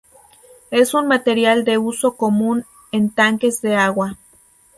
Es un material de uso común en tanques de agua.